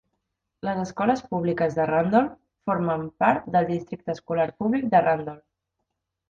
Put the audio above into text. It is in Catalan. Les escoles públiques de Randolph formen part del districte escolar públic de Randolph.